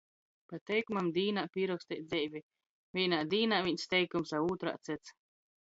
Pa teikumam dīnā pīroksteit dzeivi. Vīnā dīnā vīns teikums, a ūtrā cyts.